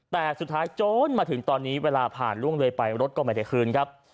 แต่สุดท้ายโจรมาถึงตอนนี้เวลาผ่านล่วงเลยไปรถก็ไม่ได้คืนครับ